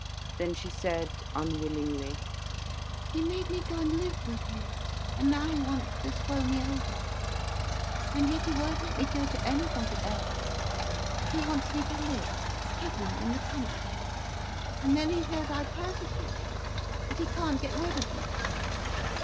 Then she said, unwillingly: "He made me go and live with him, and now he wants to throw me over. And yet he won't let me go to anybody else. He wants me to live hidden in the country. And then he says I persecute him, that he can't get rid of me."